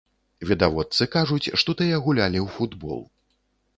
Відавочцы кажуць, што тыя гулялі ў футбол.